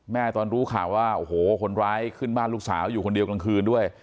ตอนรู้ข่าวว่าโอ้โหคนร้ายขึ้นบ้านลูกสาวอยู่คนเดียวกลางคืนด้วย